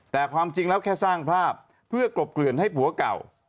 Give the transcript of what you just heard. แต่ความจริงแล้วแค่สร้างภาพเพื่อกลบเกลื่อนให้ผัวเก่า